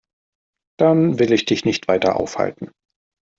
Dann will ich dich nicht weiter aufhalten.